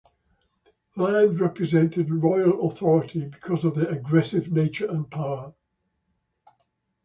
Lions represented royal authority because of their aggressive nature and power.